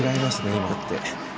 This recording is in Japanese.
今って。